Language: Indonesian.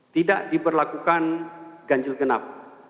tidak diberlakukan genjil genap